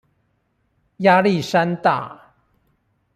壓力山大